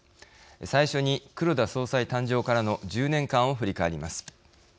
最初に黒田総裁誕生からの１０年間を振り返ります。